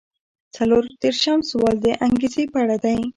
څلور دېرشم سوال د انګیزې په اړه دی.